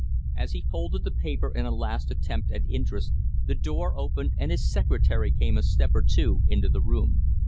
As he folded the paper in a last attempt at interest, the door opened and his secretary came a step or two into the room.